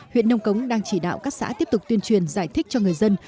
huyện nông cống đang chỉ đạo các xã tiếp tục tuyên truyền giải thích cho người dân